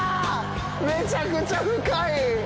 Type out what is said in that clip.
めちゃくちゃ深い！